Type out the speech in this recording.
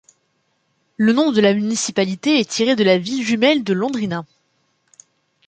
Le nom de la municipalité est tiré de la ville jumelle de Londrina.